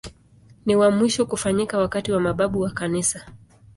Ni wa mwisho kufanyika wakati wa mababu wa Kanisa.